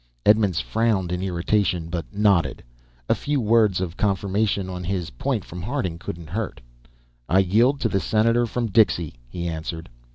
Edmonds frowned in irritation, but nodded. A few words of confirmation on his point from Harding couldn't hurt. "I yield to the senator from Dixie," he answered.